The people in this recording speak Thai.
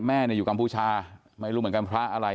แม่อยู่กัมพูชาไม่รู้เหมือนกันพระอะไร